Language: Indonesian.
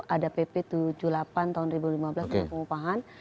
ada pp tujuh puluh delapan tahun dua ribu lima belas tentang pengupahan